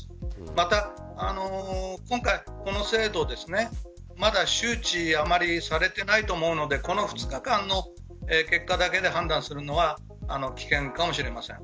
また今回、この制度はまだ周知があまりされていないと思うのでこの２日間の結果だけで判断するのは危険かもしれません。